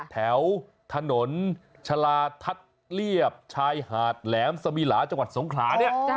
แถวถนนชาลาธัษเลียบชายหาดแหลมสมีหลาจังหวัดสงขรา